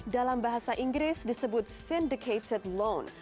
dalam bahasa inggris disebut sindicated loan